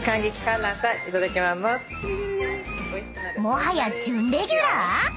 ［もはや準レギュラー？］